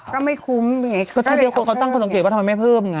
ก็ไม่คุ้มก็ถ้าเดี๋ยวคนเขาตั้งคนสังเกตว่าทำไมไม่เพิ่มไง